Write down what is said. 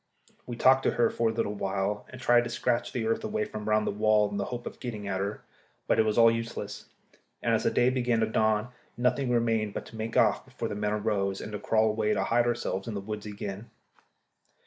We talked to her for awhile, and tried to scratch away the earth from round the wall, in the hope of getting at her; but it was all useless, and as the day began to dawn nothing remained but to make off before the men arose, and to crawl away to hide ourselves in the woods again.